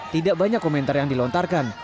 tidak banyak komentar yang dilontarkan